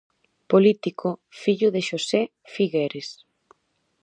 Político, fillo de Xosé Figueres.